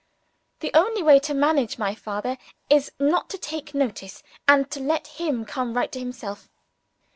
The only way to manage my father is not to take notice, and to let him come right by himself.